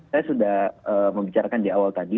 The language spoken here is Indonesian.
saya sudah membicarakan di awal tadi